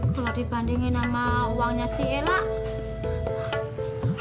kalau dibandingin sama uangnya si elak